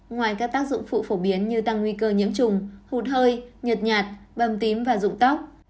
ngoài các tác dụng phụ phổ biến như tăng nguy cơ nhiễm trùng hụt hơi nhợt nhạt bầm tím và dụng tóc